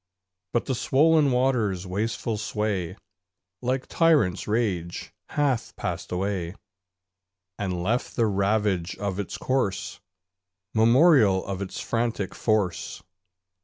But the swoln water's wasteful sway, Like tyrant's rage, hath passed away, And left the ravage of its course Memorial of its frantic force.